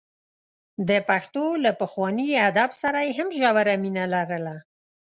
د پښتو له پخواني ادب سره یې هم ژوره مینه لرله.